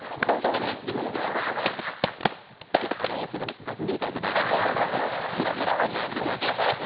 すみません、学芸会じゃないんでへらへらするのやめてください。